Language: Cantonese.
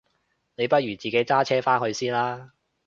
你不如自己揸車返去先啦？